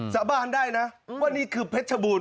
สาบานได้นะว่านี่คือเพชรบูรณ